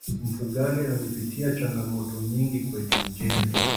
mfugale amepitia changamoto nyingi kwenye ujenzi